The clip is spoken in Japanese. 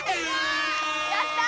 やった！